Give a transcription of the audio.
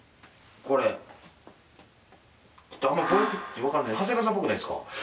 これぼやけてて分からない長谷川さんっぽくないですか？